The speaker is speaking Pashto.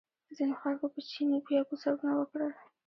ځینو خلکو په چیني بیا ګوزارونه وکړل.